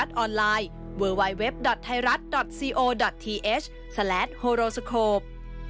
สนับสนับสนับ